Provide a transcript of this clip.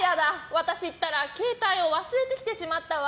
私ったら携帯を忘れてきてしまったわ！